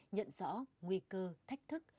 nhận rõ nguy cơ thách thức